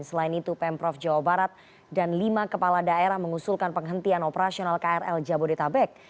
selain itu pemprov jawa barat dan lima kepala daerah mengusulkan penghentian operasional krl jabodetabek